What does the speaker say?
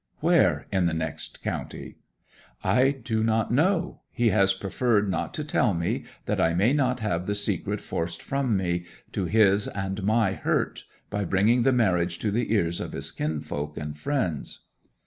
'Where in the next county?' 'I do not know. He has preferred not to tell me, that I may not have the secret forced from me, to his and my hurt, by bringing the marriage to the ears of his kinsfolk and friends.'